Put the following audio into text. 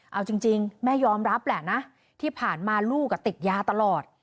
เอาจริงแม่ยอมรับแหละนะที่ผ่านมาลูกติดยาตลอด